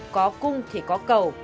có cung thì có cầu